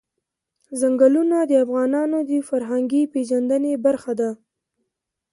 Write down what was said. ځنګلونه د افغانانو د فرهنګي پیژندنې برخه ده.